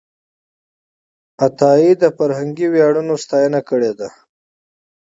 عطایي د فرهنګي ویاړونو ستاینه کړې ده.